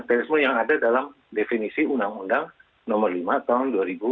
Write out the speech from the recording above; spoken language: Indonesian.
terorisme yang ada dalam definisi undang undang nomor lima tahun dua ribu dua